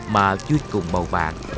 mà vui cùng màu vàng